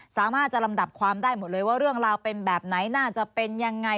สามารถจะลำดับความได้หมดเลยว่าเรื่องราวเป็นแบบไหนน่าจะเป็นยังไง